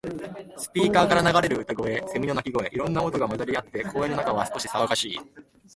スピーカーから流れる歌声、セミの鳴き声。いろんな音が混ざり合って、公園の中は少し騒がしい。